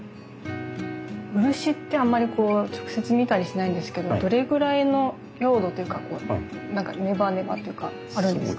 漆ってあんまりこう直接見たりしないんですけどどれぐらいの溶度というかこう何かネバネバというかあるんですか？